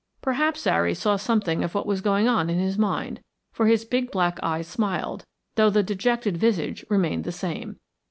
Perhaps Zary saw something of what was going on in his mind, for his big black eyes smiled, though the dejected visage remained the same.